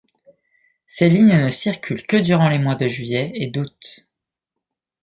Ces lignes ne circulent que durant les mois de juillet et août.